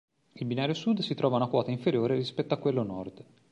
Il binario sud si trova a una quota inferiore rispetto a quello nord.